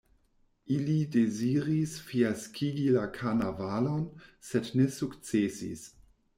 Ili deziris fiaskigi la karnavalon, sed ne sukcesis.